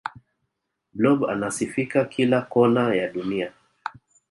blob anasifika kila kona ya dunia